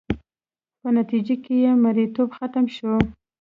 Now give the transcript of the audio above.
په نتیجه کې یې مریتوب ختم شو.